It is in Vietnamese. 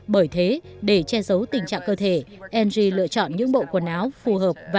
bởi thế để che giấu tình trạng cơ thể andrew lựa chọn những việc thường xuyên khi sống trên xe van